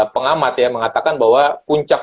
pengamat ya mengatakan bahwa puncak